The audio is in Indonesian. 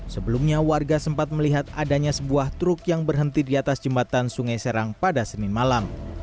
sebelumnya warga sempat melihat adanya sebuah truk yang berhenti di atas jembatan sungai serang pada senin malam